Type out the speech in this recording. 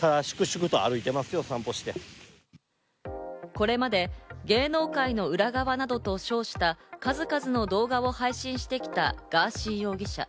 これまで芸能界の裏側などと称した数々の動画を配信してきたガーシー容疑者。